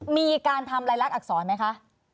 มีการทำรายลักษณ์อักษรไหมคะ